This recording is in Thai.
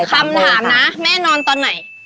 คำถามนะแม่นอนตอนไหน